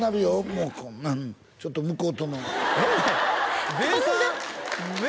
もうこんなんちょっと向こうとのべーさんべ